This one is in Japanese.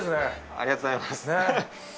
ありがとうございます。